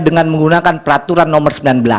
dengan menggunakan peraturan nomor sembilan belas